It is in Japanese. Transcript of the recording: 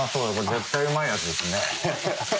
絶対うまいやつですね。